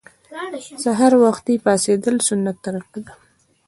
سهار وختي پاڅیدل سنت طریقه ده